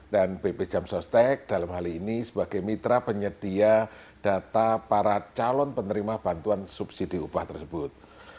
dan bp jam sostek dalam hal ini sebagai mitra penyedia data para calon penerima bantuan subsidi upah tersebut